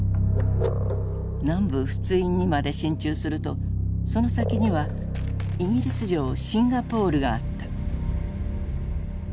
南部仏印にまで進駐するとその先にはイギリス領シンガポールがあった。